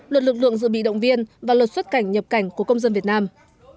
luật lực lượng dự bị động viên và luật xuất cảnh nhập cảnh của công dân việt nam